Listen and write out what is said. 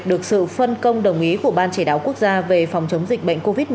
được sự phân công đồng ý của ban chỉ đạo quốc gia về phòng chống dịch bệnh covid một mươi chín